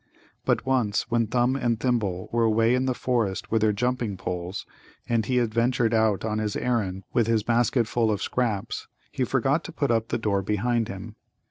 But once, when Thumb and Thimble were away in the forest with their jumping poles, and he had ventured out on this errand with his basket full of scraps, he forgot to put up the door behind him.